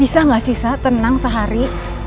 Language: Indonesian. bisa gak sih sa tenang sehari